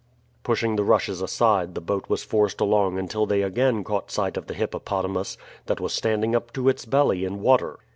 Pushing the rushes aside the boat was forced along until they again caught sight of the hippopotamus, that was standing up to its belly in water.